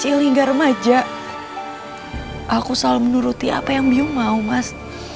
dari kecil hingga remaja aku selalu menuruti apa yang biung mau mas